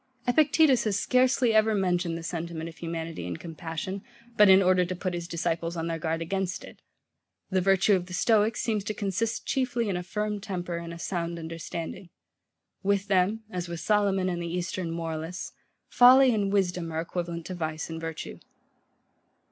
Epictetus has scarcely ever mentioned the sentiment of humanity and compassion, but in order to put his disciples on their guard against it. The virtue of the Stoics seems to consist chiefly in a firm temper and a sound understanding. With them, as with Solomon and the eastern moralists, folly and wisdom are equivalent to vice and virtue.